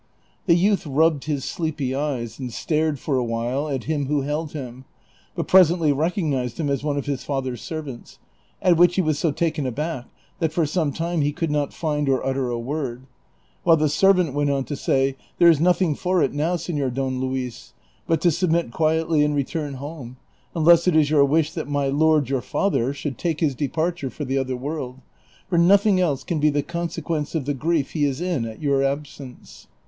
The youth rubbed his sleepy eyes and stared for a while at him who held him, but presently recognized him as one of his father's servants, at which he was so taken aback that for some time he could not find or utter a word ; Avhile the servant went on to say, " There is nothing for it now, Seflor Don Luis, but to submit quietly and return home, unless it is your wish that my lord, your father, should take his departure for the other world, for nothing else can be the consequence of the grief he is in at your absence."